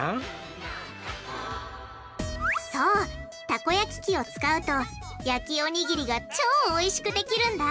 たこ焼き器を使うと焼きおにぎりが超おいしくできるんだ！